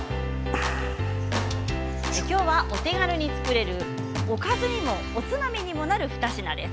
今日はお手軽に作れるおかずにもおつまみになる２品です。